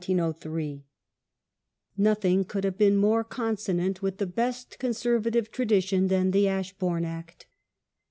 '^ Nothing could have been more consonant with the best Conservative tradition than the Ashbourne Act.